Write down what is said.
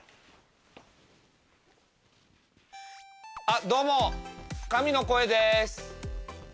あっどうも神の声です。